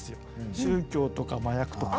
宗教とか麻薬とか。